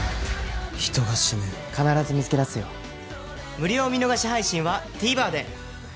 無料見逃し配信は ＴＶｅｒ で